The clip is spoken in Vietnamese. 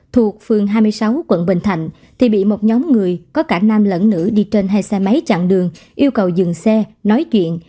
thuộc phường hai mươi sáu quận bình thạnh thì bị một nhóm người có cả nam lẫn nữ đi trên hai xe máy chặn đường yêu cầu dừng xe nói chuyện